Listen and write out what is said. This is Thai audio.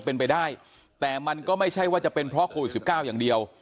เป็นไปได้แต่มันก็ไม่ใช่ว่าจะเป็นเพราะโควิด๑๙อย่างเดียว